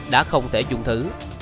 đã không thể dùng thứ